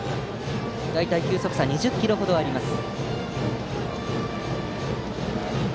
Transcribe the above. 大体球速差２０キロ程あります。